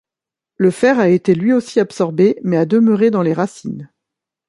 Le fer a été lui aussi absorbé, mais a demeuré dans les racines.